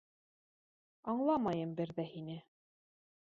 Аңламайым бер ҙә һине.